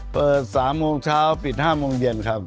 เปิด๓โมงเช้าปิด๕โมงเย็นครับ